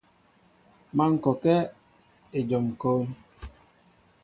Má ŋkɔkă éjom kón.